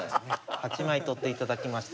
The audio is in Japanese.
８枚取っていただきました。